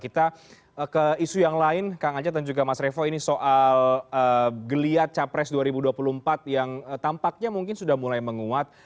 kita ke isu yang lain kang ajat dan juga mas revo ini soal geliat capres dua ribu dua puluh empat yang tampaknya mungkin sudah mulai menguat